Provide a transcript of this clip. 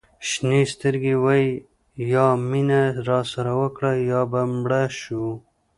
شینې سترګې وایي یا مینه راسره وکړه یا به مړه شو.